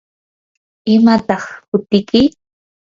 ¿imataq hutiyki?